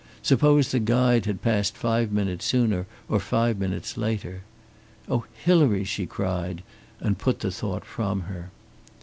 Suppose the guide had passed five minutes sooner or five minutes later! "Oh, Hilary!" she cried, and put the thought from her.